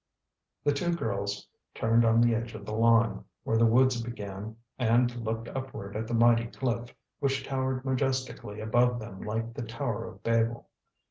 The two girls turned on the edge of the lawn, where the woods began, and looked upward at the mighty cliff, which towered majestically above them like the Tower of Babel.